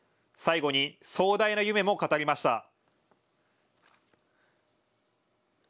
最後に壮大な夢も語りました。